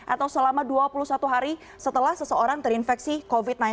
atau selama dua puluh satu hari setelah seseorang terinfeksi covid sembilan belas